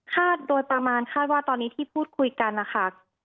โดยประมาณคาดว่าตอนนี้ที่พูดคุยกันนะคะ